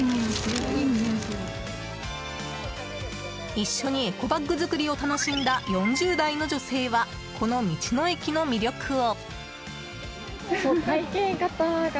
一緒にエコバッグ作りを楽しんだ４０代の女性はこの道の駅の魅力を。